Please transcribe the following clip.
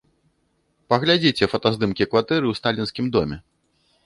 Паглядзіце фотаздымкі кватэры ў сталінскім доме.